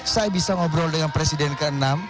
saya bisa ngobrol dengan presiden ke enam